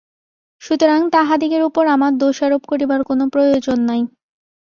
সুতরাং তাহাদিগের উপর আমার দোষারোপ করিবার কোন প্রয়োজন নাই।